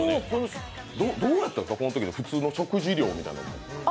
どうやったんですか、このとき普通の食事量みたいな？